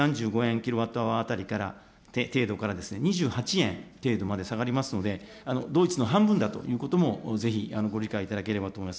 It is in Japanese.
キロワットアワーあたりから程度からですね、２８円程度まで下がりますので、ドイツの半分だということもぜひご理解いただければと思います。